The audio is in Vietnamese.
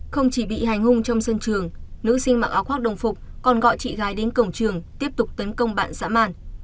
không chỉ bị hành hung trong sân trường nữ sinh mặc áo khoác đồng phục còn gọi chị gái đến cổng trường tiếp tục tấn công bạn xã màn